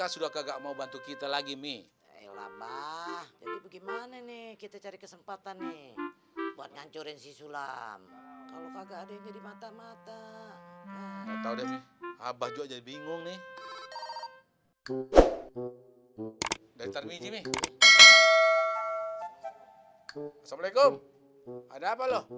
sama ayah juga